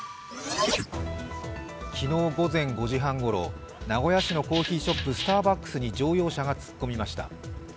昨日午前５時半ごろ名古屋市のコーヒーショップ、スターバックスに乗用車が突っ込みました。